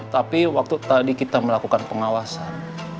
tapi waktu tadi kita melakukan pengawasan